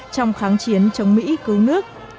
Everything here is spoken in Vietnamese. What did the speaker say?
trong kháng chiến chống mỹ cứu nước